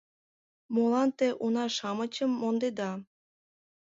— Молан те уна-шамычым мондеда?